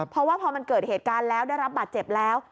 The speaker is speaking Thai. เพราะว่าพอมันเกิดเหตุการณ์แล้วได้รับบาดเจ็บแล้ว